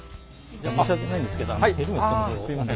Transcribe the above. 申し訳ないんですけどヘルメットの方をすいません